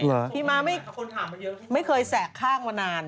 พี่ม้าไม่เคยแสกข้างมานาน